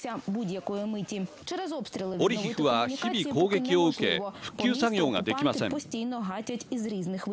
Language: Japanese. オリヒフは日々攻撃を受け復旧作業ができません。